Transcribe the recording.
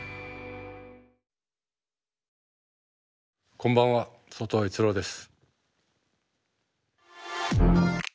こんばんは外尾悦郎です。